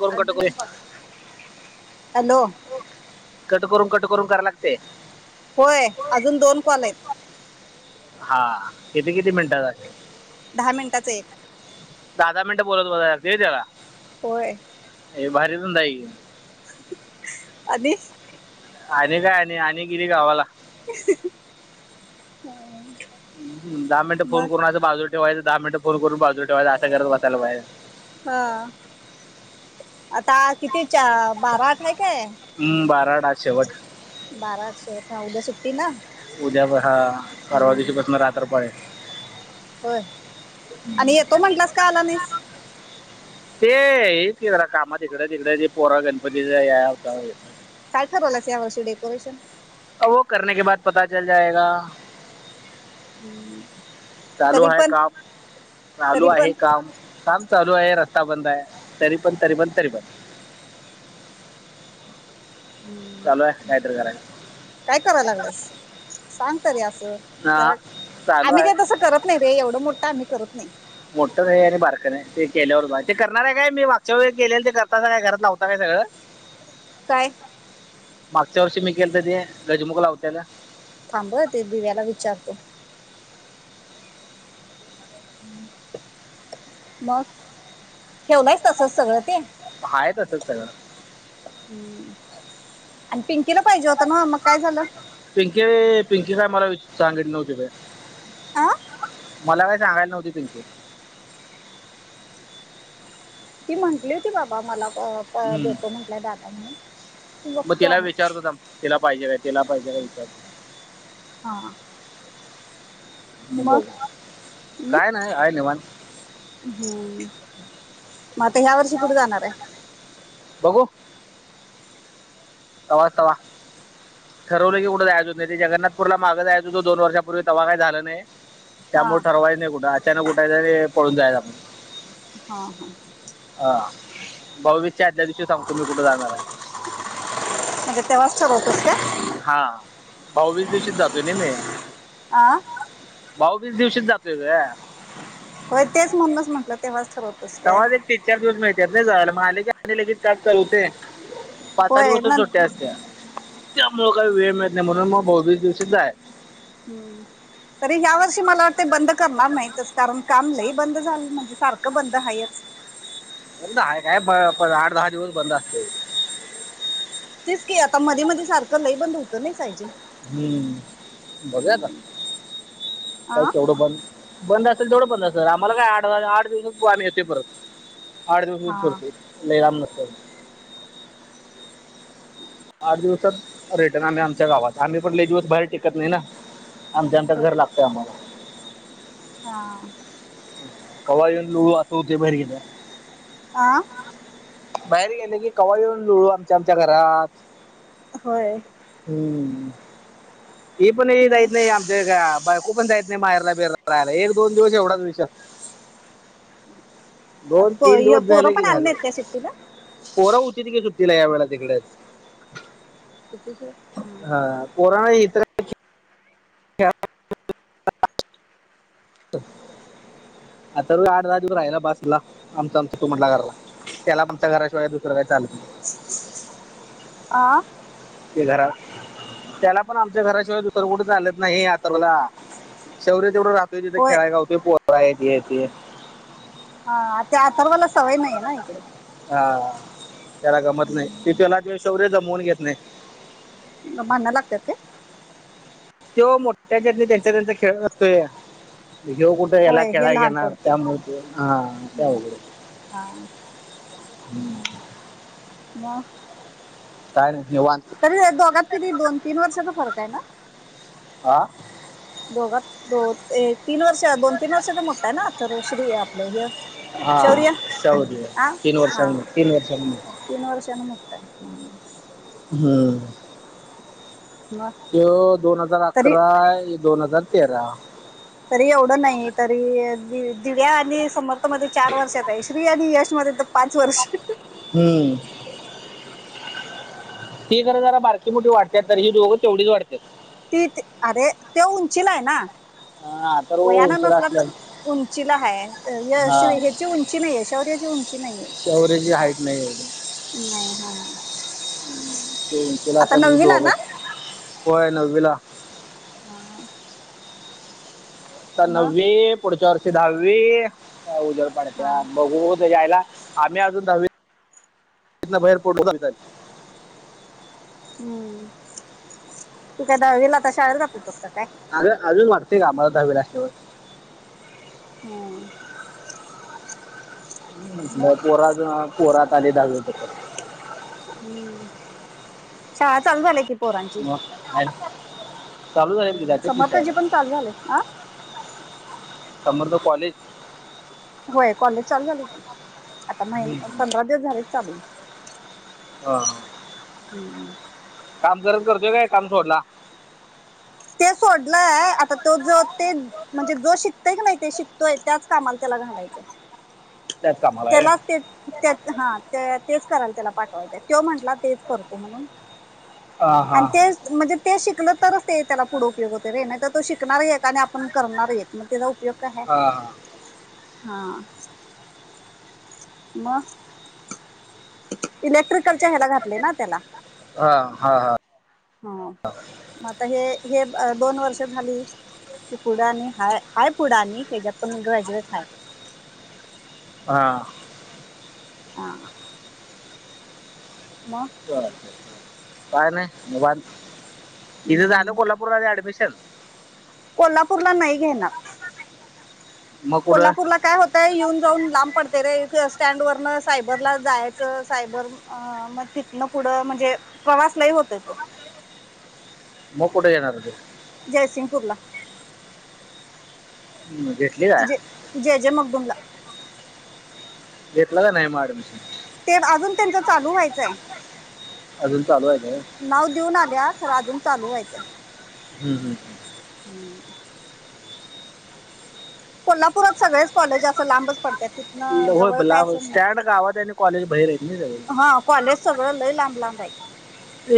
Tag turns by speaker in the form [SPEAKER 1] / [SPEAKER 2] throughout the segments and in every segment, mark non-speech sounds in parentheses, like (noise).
[SPEAKER 1] करून कट करून कट करून कट करा लागतय.
[SPEAKER 2] होय अजून दोन कॉल आयत.
[SPEAKER 1] हा किती किती मिनिटा
[SPEAKER 2] दहा मिनिटाचा एक
[SPEAKER 1] दहा दहा मिनिट बोलत.
[SPEAKER 2] होय.
[SPEAKER 1] भारी धंदा हाय यो.
[SPEAKER 2] (unintelligible)
[SPEAKER 1] आणि काय आणि आणि गिली गावाला
[SPEAKER 2] हम.
[SPEAKER 1] दहा मिनट फोन करून असं पॉझिटिव्हाय दहा मिनट फोन करून पॉझिटिव्ह्हायं अंारत अससायला पाहिे
[SPEAKER 2] हा आता कितीच्या
[SPEAKER 1] हम्म बारा आट आज शेवट.
[SPEAKER 2] बारा आट उद्या सुट्टी ना.
[SPEAKER 1] उद्या हा परवा
[SPEAKER 2] हम्म
[SPEAKER 1] दिवशीपासून रात्रपाळी
[SPEAKER 2] होय आणि येतो म्हंटलास का आला नाइस.
[SPEAKER 1] ते हेच की जरा कामात तिकडे तिकडे पोरा गणपतीचा याता
[SPEAKER 2] काय ठरवलास या वर्षी डेकोरेशन
[SPEAKER 1] अ वो करने के बाद पता चल जायेगा. चालू
[SPEAKER 2] तरी
[SPEAKER 1] आहे
[SPEAKER 2] पण
[SPEAKER 1] काम चालू
[SPEAKER 2] तरी
[SPEAKER 1] आहे
[SPEAKER 2] पण
[SPEAKER 1] काम काम चालू आहे रस्ता बंद आहे तरी पण तरी पण तरी पण चालू आहे
[SPEAKER 2] हम्
[SPEAKER 1] काहीतरी करायचं
[SPEAKER 2] काय कराय लागलायस सांग तरी असं
[SPEAKER 1] हा चालू
[SPEAKER 2] आम्ही
[SPEAKER 1] आहे
[SPEAKER 2] काय तसं करत नाही रे एवढं मोठं आम्ही करत नाही
[SPEAKER 1] मोठ्ठं नाही आणि बारकं नाही ते केल्यावरच हाय ते करणार आहे काय मी मागच्या वेळेस केलेलं ते करता काय घरात लावता काय सगळं
[SPEAKER 2] काय
[SPEAKER 1] मागच्या वर्षी मी केलंत ते गजमुख लावत्यालं
[SPEAKER 2] थांब हं ते दिव्याला विचारतो मग ठेवलायस तसच सगळं ते
[SPEAKER 1] हाय तसच सगळं
[SPEAKER 2] हम्म आणि पिंकीला पाहिजे होत नव्ह मग काय झालं
[SPEAKER 1] पिंकी पिंकी काय मला सांगितली नव्हती बाई
[SPEAKER 2] आं
[SPEAKER 1] मला काही सांगायला नव्हती पिंकी
[SPEAKER 2] ती म्हंटली होती बाबा मला अ प
[SPEAKER 1] हम्म.
[SPEAKER 2] देतो म्हंटलाय दादा म्हणून
[SPEAKER 1] मग
[SPEAKER 2] बघतो
[SPEAKER 1] तिला
[SPEAKER 2] आम्ही
[SPEAKER 1] विचारतो थांब तिला पाहिजे काय तिला पाहिजे काय विचारतो
[SPEAKER 2] हा
[SPEAKER 1] मग बघू
[SPEAKER 2] हम्म
[SPEAKER 1] काय नाही आहे निवांत
[SPEAKER 2] हम्म मग आता ह्या वर्षी कुठं जाणार आहे
[SPEAKER 1] बघू तवाचं‌ तवा ठरवलं की कुठं जायचं होत नाही ते जगन्नाथपुरला माग जायच होतं दोन वर्षापूर्वी तवा काय झालं नाही
[SPEAKER 2] हा हा
[SPEAKER 1] त्यामुळं ठरवायचं नाही कुठं अचानक उठायचं आणि पळून जायचं आपण
[SPEAKER 2] हा हा
[SPEAKER 1] हा भाऊबिजच्या आदल्या दिवशी सांगतो मी कुठं जाणार आहे
[SPEAKER 2] म्हणजे तेव्हाच ठरवतोस काय
[SPEAKER 1] हा भाऊबीज दिवशीच जातोय नाही मी
[SPEAKER 2] आं
[SPEAKER 1] भाऊबीज दिवशीच जातोय गं
[SPEAKER 2] होय तेच म्हणूनच म्हटलं तेव्हाच ठरवतोस काय
[SPEAKER 1] तवाच एक तीन चार दिवस मिळत्यात नाही जायला मग आलं की आणि लगेच काम चालू हुतय पाच सहा
[SPEAKER 2] होय
[SPEAKER 1] दिवसचं
[SPEAKER 2] न
[SPEAKER 1] सुट्टी असत्या त्यामुळं काय वेळ मिळत नाही म्हणून मग भाऊबीज दिवशीच जायचं
[SPEAKER 2] हम्म तरी यावर्षी मला वाटतंय बंद करणार नाहीतच कारण काम लई बंद झालं म्हणजे सारखं बंद हायच ह
[SPEAKER 1] बंद हाय काय आठ दहा दिवस बंद असतंय
[SPEAKER 2] तेच की आता मधी मधी सारखं लैई बंद होतं नाही सायजींग
[SPEAKER 1] हम्म बघुया आता काय
[SPEAKER 2] आ
[SPEAKER 1] केवढं बंद बंद असेल तेवढं बंद असंल आम्हाला काय आठ आठ दिवसांत आम्ही येतोय परत आठ दिवसच
[SPEAKER 2] हा
[SPEAKER 1] फीरतोय लैई लांब नसतय आठ दिवसात रिटर्न आम्ही आमच्या गावात आम्ही पण लैई दिवस बाहेर टिकत नाही ना आमचं, आमचं
[SPEAKER 2] होय
[SPEAKER 1] घर लागतंय आम्हाला
[SPEAKER 2] हा
[SPEAKER 1] कवा येऊन लोळू असं होतय बाहेर गेल्यावर
[SPEAKER 2] हां
[SPEAKER 1] बाहेर गेलं की कवा येऊन लुळू आमच्या आमच्या घरात
[SPEAKER 2] होय
[SPEAKER 1] हम्म ही पण ही
[SPEAKER 2] म
[SPEAKER 1] जाईत नाही आमच्या बायकू पण जात नाही माहेरला बिहेरला राहायला एक दोन दिवस एवढाच विषय दोन तीन
[SPEAKER 2] हे पोरं पण आली नाहीत काय सुट्टीला
[SPEAKER 1] पोर हुतीत कि सुट्टीला या वेळेला तिकडेच. हा पोराना (unintelligible) आता रोज आठ दहा दिवस राहिला बास लाव आमच आमचा तो म्हटला घरला त्याला पण आमच्या घराशिवाय दुसरं काय चालत नाही.
[SPEAKER 2] आं.
[SPEAKER 1] इधरा त्याला पण आमच्या घराशिवाय दुसर कुठ चालत नाही आथर्व लाशौर्य तेवढं राहतोय तिथ
[SPEAKER 2] होय
[SPEAKER 1] खेळाय गावतय पोर हाइत हे ते
[SPEAKER 2] ह त्या अथर्वला सवय नाहीये ना इकडे.
[SPEAKER 1] हा त्याला गमत नाही तो त्याला तो शौर्य जमवून घेत नाही.
[SPEAKER 2] मग भाडणं लागतात काय?
[SPEAKER 1] त्यो मोठ्याच्यातनी त्यांच त्यांच खेळत असतोय. ह्यो कुठ ह्याला
[SPEAKER 2] होय हे
[SPEAKER 1] खेळायला
[SPEAKER 2] लहान
[SPEAKER 1] घेणार
[SPEAKER 2] पडते
[SPEAKER 1] त्यामुळ हा त्या
[SPEAKER 2] ह्.
[SPEAKER 1] हम्म.
[SPEAKER 2] मग
[SPEAKER 1] काय नाही. निवांत
[SPEAKER 2] तरी दोघांत किती दोन तीन वर्षाचा फरक आहे ना
[SPEAKER 1] हा.
[SPEAKER 2] दोघात दो ते तीन वर्ष दोन तीन वर्षाचा मोठा आहे ना अथर्व श्री आपलं
[SPEAKER 1] हा
[SPEAKER 2] शौर्य आ
[SPEAKER 1] तीन
[SPEAKER 2] हा
[SPEAKER 1] वर्षां तीन वर्षां
[SPEAKER 2] तीन वर्षान मोठाय हम्म
[SPEAKER 1] हम्म
[SPEAKER 2] मग
[SPEAKER 1] त्योक्ष दोन हजार
[SPEAKER 2] तरी
[SPEAKER 1] अकरा हि दोन हजार तेरा
[SPEAKER 2] तरी एवढं नाही तरी दिव्या आणि समर्थ मध्ये चार वर्षात आहे श्री आणि यश तर पाच वर्ष
[SPEAKER 1] हमम तीज् खर जरा बारकी मोठी वाटत्यात तर ही दोघं तेवढीच वाटत्यात.
[SPEAKER 2] ती अरे त्यो उंचीला आहे ना.
[SPEAKER 1] हा तर
[SPEAKER 2] वयानं
[SPEAKER 1] उंचीला
[SPEAKER 2] नसला
[SPEAKER 1] असल्या
[SPEAKER 2] तर उंचीला हाय
[SPEAKER 1] हा
[SPEAKER 2] श्री हेची उंची नाहीये शौर्यची उंची नाहीये.
[SPEAKER 1] शौर्याची हाईट नाही. एवढी.
[SPEAKER 2] नाही हा.
[SPEAKER 1] त्यो उंचीला
[SPEAKER 2] आता
[SPEAKER 1] असल्या मुळ हि
[SPEAKER 2] नववीला ना
[SPEAKER 1] दोघच होय नववीला
[SPEAKER 2] हा.
[SPEAKER 1] आता
[SPEAKER 2] मग
[SPEAKER 1] नववी पुढच्या वर्षी दहावी काय उजड
[SPEAKER 2] हा
[SPEAKER 1] पाडत्यात बघू त्याच्या आईला आम्ही अजून दवीत इतन बाहेर पडलो
[SPEAKER 2] हम्म तू काय दहावीला आता शाळेला आता जातोस काय
[SPEAKER 1] आलोय अजून वाटतंयग आम्हाला दहावीला असल्यावर
[SPEAKER 2] हम्म मग
[SPEAKER 1] पोरं अजुन पोरं आता आलीत दहावी पतर
[SPEAKER 2] हम्म शाळा चालू झाल्या कि
[SPEAKER 1] मग काय? चालू
[SPEAKER 2] अ
[SPEAKER 1] झाले की जाते की
[SPEAKER 2] समर्थची पण
[SPEAKER 1] शाळेला
[SPEAKER 2] चालू झालय ह
[SPEAKER 1] समर्थ कॉलेज
[SPEAKER 2] होय कॉलेज चालू झालय कि आता महिना पंधरा दिवस झालंय कि चालू
[SPEAKER 1] हा.
[SPEAKER 2] हम्म.
[SPEAKER 1] काम करत करतो का काम सोडला.
[SPEAKER 2] ते सोडलंय आता तो जो ते म्हणजे जो शिकतय की नाही ते शिकतोय त्याच कामाला त्याला घ घलायचं.
[SPEAKER 1] त्याच कामाला आहे
[SPEAKER 2] त्याला त्या हा त्या तेच करायला त्याला पाठवायचं तो म्हटला तेच करतो म्हणून
[SPEAKER 1] हा हा
[SPEAKER 2] आणि तेच म्हणजे ते शिकलं तरच ते त्याला पुढे उपयोग होत रे नाही तर तो शिकणार आहे आणि आपण करणार एक मग त्याचा उपयोग काय आहे
[SPEAKER 1] हा हा.
[SPEAKER 2] हा. मग इलेक्ट्रिकलच्या ह्याला घातले ना त्याला
[SPEAKER 1] हा हा हा.
[SPEAKER 2] हो मता हे हे दोन वर्ष झाली. त पुढा आणि हा आहेय पुढानी हच्यात पण मी ग्रॅज्युएट आहे
[SPEAKER 1] हा
[SPEAKER 2] हा
[SPEAKER 1] का नाही इथ
[SPEAKER 2] मग
[SPEAKER 1] झालं कोल्हापूरला अऍडमिशन ठ
[SPEAKER 2] कोल्हापूरला नाही घेणार
[SPEAKER 1] मग कुठं
[SPEAKER 2] कोल्हापूरला काय होतंय येन जाऊन लांब पडते रे स्टँड वर सायबरला जायचं सायबरग तिथन पुढे म्हणजे प्रवासलाय होतय तो
[SPEAKER 1] मग कुठे येणार हो ते
[SPEAKER 2] जयसिंगपूरला
[SPEAKER 1] हम्म, घेतली काय
[SPEAKER 2] जे जे जय मकदुमला
[SPEAKER 1] जटला तर नाही माडम
[SPEAKER 2] ते अजून त्यांच चालू व्हायचंय
[SPEAKER 1] अजून चालू आहे
[SPEAKER 2] नाव देऊन आल्या्या खरं अजून चालू व्हायचंय
[SPEAKER 1] हम्म हम्म
[SPEAKER 2] हम् कोल्हापूरात सगळेच कॉलेज असं लांबच पडतात तिथन
[SPEAKER 1] का होय
[SPEAKER 2] जवळ
[SPEAKER 1] बला
[SPEAKER 2] काय असेल
[SPEAKER 1] स्टँड गावात आणि कॉलेज बाहेर आहेत नाही
[SPEAKER 2] नाही
[SPEAKER 1] सगळे
[SPEAKER 2] हा कॉलेज सगळं लय लांब लांबाई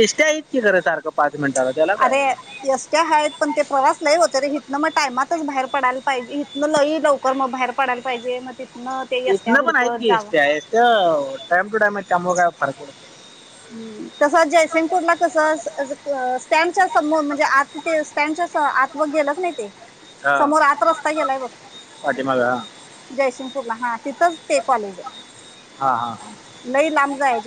[SPEAKER 1] इ्या इतकीे खरं सारखं पाच मिनिटाला त्याला काय
[SPEAKER 2] अरे यसट ह आहेत पण ते प्रवास नाहीई होतं रे हितनं मग टायमातच बाहेर पडायला पाहिजे हिनं लई लवकर मग बाहेर पडायला पाहिजे म
[SPEAKER 1] इथन पण आहेत की एट टाइम टू टाइम त्यामुळे काय फरक पडत
[SPEAKER 2] तसच जयसिंगपूरला कस स्टँडच्या समोर म्हणजे आता ते स्टँडच्या आत मग गेल नाही ते
[SPEAKER 1] हा
[SPEAKER 2] समोर आत रस्ता गेलाय बघ
[SPEAKER 1] पाठीमागं
[SPEAKER 2] जयसिंगपूरला हा तिथंच ते कॉलेज
[SPEAKER 1] हा हा हा
[SPEAKER 2] आहे लय लांब जाय ण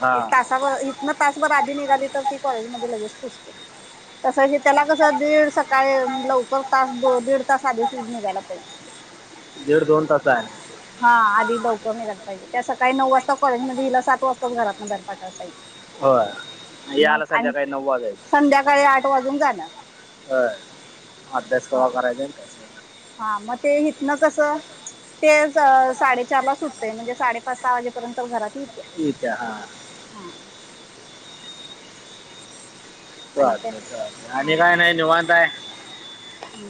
[SPEAKER 1] हा
[SPEAKER 2] त इ त निघाली तर ती कॉलेजमध्येध्ये लगेच पुजते तसं हे त्याला कसं दीड सकाळी लवकर तास दीड तास आधी श उजणे जायला का
[SPEAKER 1] दीड दोन तास आहे
[SPEAKER 2] हा आधी लवक पाहिजे त्या सकाळी नऊ वाजता कॉलेज मध्ये हिला सात वाजता घरातून बाहेर पाठाला
[SPEAKER 1] होय
[SPEAKER 2] पाहिजे मग
[SPEAKER 1] यायला
[SPEAKER 2] आणि
[SPEAKER 1] संध्याकाळी नऊ
[SPEAKER 2] संध्याकाळी आठ वाजून जाणार
[SPEAKER 1] हो अभ्यास कवा
[SPEAKER 2] हा
[SPEAKER 1] करायचा त्या
[SPEAKER 2] हा मग ते हथन कसं ते साडेचारला सुटतंय म्हणजे साडेपाच सहा वाजेपर्यंत घर
[SPEAKER 1] ठी का हा च
[SPEAKER 2] आणि काय
[SPEAKER 1] आणि
[SPEAKER 2] हा
[SPEAKER 1] काय नाही निवतय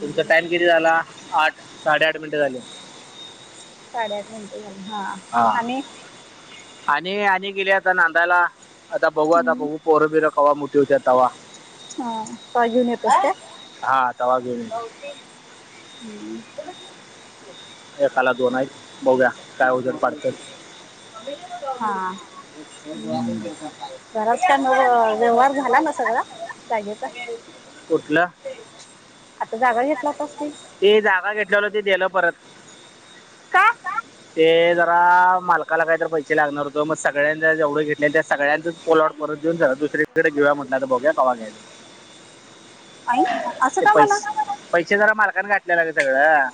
[SPEAKER 1] तुमचा टाइम किती झाला आठ साडेआठ मिनिटे झाले.
[SPEAKER 2] साडेआठ मिनिटे झाली हा आणि.
[SPEAKER 1] गेली आता नांदायला आता बघू आता
[SPEAKER 2] हम्म
[SPEAKER 1] बघू पोर बिर कवा मोठीे होते्या तवा.
[SPEAKER 2] हा पा घेऊन येतोस काय.
[SPEAKER 1] ह त्याला घेवून येईन.
[SPEAKER 2] हम्.
[SPEAKER 1] एकाला दोन आहेत बघ्या काय उजेड पाडत.
[SPEAKER 2] (unintelligible) खराच का न व्यवहार झाला ना सगळा जागेचा.
[SPEAKER 1] कुठलं.
[SPEAKER 2] आता जागा घेतला कस.
[SPEAKER 1] ते जागा घेतल्याल ते गलं परत.
[SPEAKER 2] का
[SPEAKER 1] ते जरा मालकाला काहीत पैसे लागणार होत मग सगळ्यां जेवढं घे. नाही त्या सगळ्यांचंच पलॉट परत देऊन सला दुसरीकडे घेऊया म्हटलं तर बघया कवा.
[SPEAKER 2] आई असं
[SPEAKER 1] ते
[SPEAKER 2] का म्हणा
[SPEAKER 1] पैस, पैसे जरा मालकने घाठ. दयायला लागल सगळं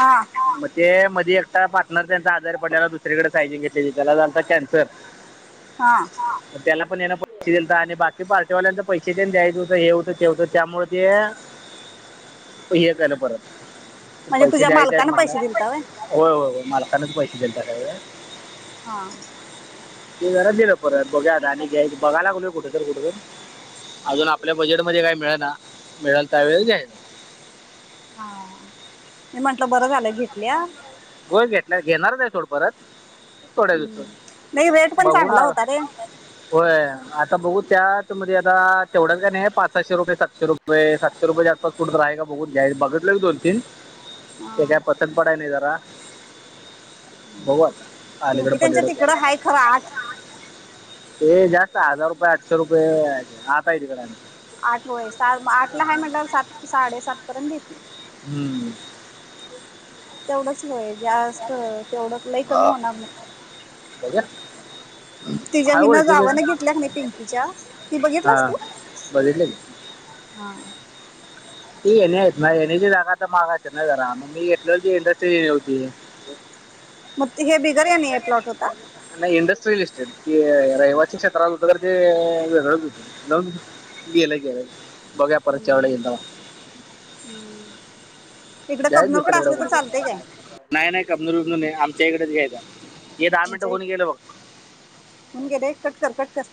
[SPEAKER 2] हा
[SPEAKER 1] म ते मधी. त्या पार्टनर त्यांचा आजार पडला दुसरीकडे सायजिंग घेतलेली त्याला झालता कॅन्सर.
[SPEAKER 2] हा.
[SPEAKER 1] त्याला पण याना पैसे द आणि बाकी पार्टेवाल्यांच पैसे दे द्यायच होतं हे होतं तेवतं. त्यामुळे ते हे केलं परत.
[SPEAKER 2] म्हणजे
[SPEAKER 1] पैसे
[SPEAKER 2] तुझ्या
[SPEAKER 1] द्यायचे आहेत
[SPEAKER 2] मालकानं पैसे
[SPEAKER 1] मला
[SPEAKER 2] दिलता व्हय
[SPEAKER 1] होय होय होय मालकनाच पैसे द्यायेत.
[SPEAKER 2] हा.
[SPEAKER 1] ते जरा गेल परत बघू आणि बघाय लागल कुठ तर कुठं तर. अजून आपल्या बजेटमध्ये काही मिळे ना मिळेल त्या वेळ घ्यायचं.
[SPEAKER 2] हा मी म्हंटलं बरं झालं घेतल्या.
[SPEAKER 1] गोल घेतला घेणार नाही थोड परत. थोड्या
[SPEAKER 2] हम्म. नाही रेट
[SPEAKER 1] दिवसात
[SPEAKER 2] पण
[SPEAKER 1] बघू ना
[SPEAKER 2] चांगला होता रे
[SPEAKER 1] होय आता बघू. त्यामध्ये आता तेवढंच काय नाही पाच सशेुपये सातशे रुपये सातशे रुपये आसपास कुठं राहा का बघून घ्या. बघितलं दोन तीन
[SPEAKER 2] हा
[SPEAKER 1] ते काय पसन पडाय नाही जरा
[SPEAKER 2] हम्म.
[SPEAKER 1] बघू आता अलीकड
[SPEAKER 2] पिंकी त्यांच्या
[SPEAKER 1] पलीकडे.
[SPEAKER 2] तिकडं हाय खरं आठ
[SPEAKER 1] ते जास्त हजार रुपये आठशे रुपये आता आहे तिकडे.
[SPEAKER 2] आठ वय आठ ला आहे म्हटलं सात साडेसात पर्यंत देत.
[SPEAKER 1] (unintelligible)
[SPEAKER 2] तेवढच होय जास्त तेवढं लई कमी होणार नाही.
[SPEAKER 1] बघा
[SPEAKER 2] तिच्या्या
[SPEAKER 1] हाय
[SPEAKER 2] हिन
[SPEAKER 1] ओळखीचे
[SPEAKER 2] जावान घेतल्याक नाही पिंकीच्या ति बघितलास
[SPEAKER 1] हां
[SPEAKER 2] तू?
[SPEAKER 1] (unintelligible)
[SPEAKER 2] हां.
[SPEAKER 1] ती येणे ना येण्याची जाागा तर मागायच नाही जरा मी घेतले ती इंडस्ट्री नव होती.
[SPEAKER 2] मग हे बिगर आहे नाही प्लॉट होता.
[SPEAKER 1] क रहिवास क्षेत्रात होत तर ते वेगळंच होतं गेलं गेलं. बघा परत वेळेला
[SPEAKER 2] हम्म.
[SPEAKER 1] येईल तेव्हा.
[SPEAKER 2] हम्म. इकडं
[SPEAKER 1] यच
[SPEAKER 2] कबनूरकडे
[SPEAKER 1] दुसरकडे
[SPEAKER 2] असले तर चालतय काय
[SPEAKER 1] नाही नाही कमजूल कबजू नाही आमच्याकडेच घय. ये दहा मिनटं
[SPEAKER 2] तुमच्या
[SPEAKER 1] होन
[SPEAKER 2] होऊन
[SPEAKER 1] गेलं बघ.
[SPEAKER 2] ककटतस.